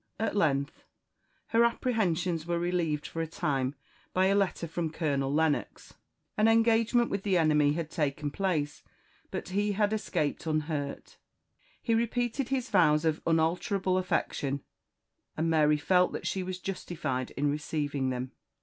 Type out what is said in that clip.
At length her apprehensions were relieved for a time by a letter from Colonel Lennox. An engagement with the enemy had taken place, but he had escaped unhurt. He repeated his vows of unalterable affection; and Mary felt that she was justified in receiving them.